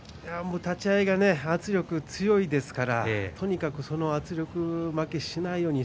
立ち合いで圧力が強いですからとにかく圧力負けしないように